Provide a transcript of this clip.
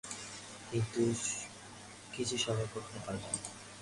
কিছু স্বভাব কখনো পাল্টায় না।